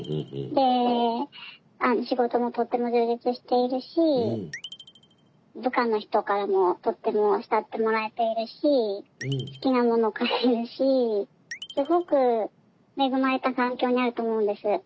で仕事もとても充実しているし部下の人からもとっても慕ってもらえているし好きなもの買えるしすごく恵まれた環境にあると思うんです。